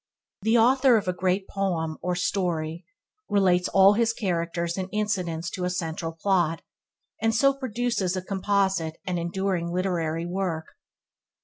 The author of a great poem or story relates all his characters and incidents to a central plot, and so produces a composite and enduring literary work.